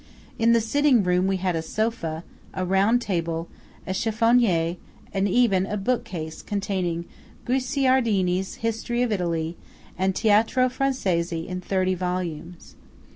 In the sitting room we had a sofa, a round table, a cheffonier, and even a bookcase containing Guicciardini's History of Italy, and a Teatro Francese in thirty volumes.